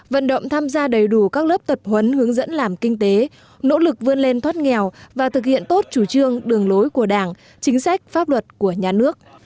vận động tham gia đầy đủ các lớp tập huấn hướng dẫn làm kinh tế nỗ lực vươn lên thoát nghèo và thực hiện tốt chủ trương đường lối của đảng chính sách pháp luật của nhà nước